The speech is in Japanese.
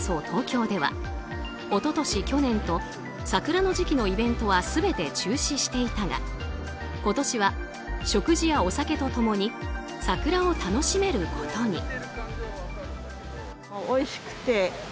東京では一昨年、去年と桜の時期のイベントは全て中止していたが今年は食事やお酒と共に桜を楽しめることに。